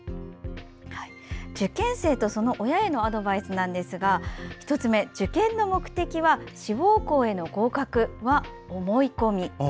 受験生とその親へのアドバイスですが１つ目、受験の目的は志望校への合格は思い込み。